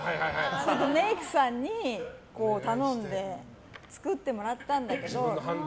メイクさんに頼んで作ってもらったんだけど。